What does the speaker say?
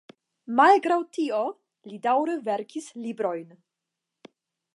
Malgraŭ tio li daŭre verkis librojn.